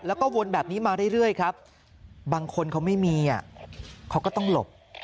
แล้วก็วนแบบนี้มาเรื่อยครับบางคนเขาไม่มีเขาก็ต้องหลบ